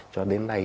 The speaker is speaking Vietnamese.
cho đến nay